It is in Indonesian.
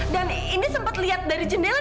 dan ini sempet liat dari jendela